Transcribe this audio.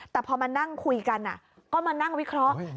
แต่พอมานั่งคุยกันก็มานั่งวิเคราะห์